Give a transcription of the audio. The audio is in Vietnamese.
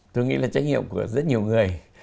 tôi nghĩ là trách nhiệm của rất nhiều người